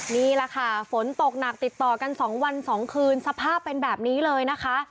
นี่แหละค่ะฝนตกหนักติดต่อกัน๒วัน๒คืนสภาพเป็นแบบนี้เลยนะคะ